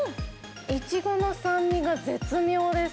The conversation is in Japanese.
いちごの酸味が絶妙です。